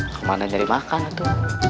kemana jadi makan itu